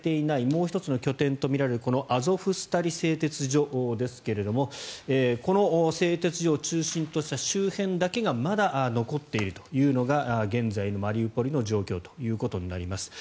もう１つの拠点とみられるこのアゾフスタリ製鉄所ですがこの製鉄所を中心とした周辺だけがまだ残っているというのが現在のマリウポリの状況ということになります。